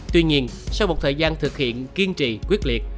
tuy nhiên sau một thời gian thực hiện kiên trì quyết liệt